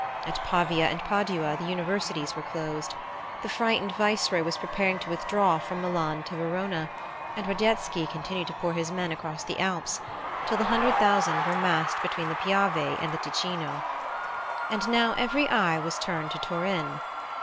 At Pavia and Padua the universities were closed. The frightened vice roy was preparing to withdraw from Milan to Verona, and Radetsky continued to pour his men across the Alps, till a hundred thousand were massed between the Piave and the Ticino. And now every eye was turned to Turin.